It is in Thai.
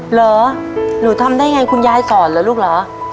เหรอหนูทำได้ไงคุณยายสอนเหรอลูกเหรอ